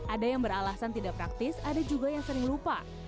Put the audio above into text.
ada yang beralasan tidak praktis ada juga yang sering lupa